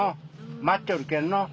待っちょるけんの。